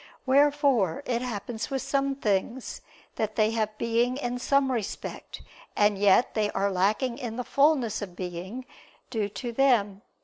Wherefore it happens with some things, that they have being in some respect, and yet they are lacking in the fulness of being due to them.